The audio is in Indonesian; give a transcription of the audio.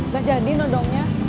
gak jadi nondongnya